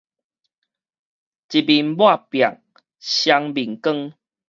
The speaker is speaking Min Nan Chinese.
一面抹壁雙面光